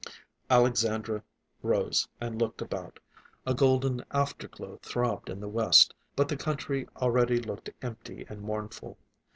Alexandra rose and looked about. A golden afterglow throbbed in the west, but the country already looked empty and mournful.